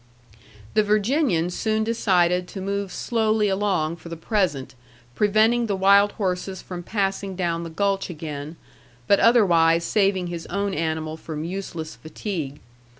The Virginian soon decided to move slowly along for the present, preventing the wild horses from passing down the gulch again, but otherwise saving his own animal from useless fatigue.